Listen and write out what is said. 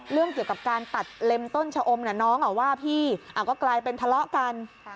เรื่องเกี่ยวกับการตัดเล็มต้นชะอมน้องว่าพี่ก็กลายเป็นทะเลาะกัน